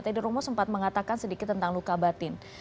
tadi romo sempat mengatakan sedikit tentang luka batin